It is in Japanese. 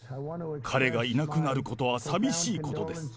彼がいなくなることは寂しいことです。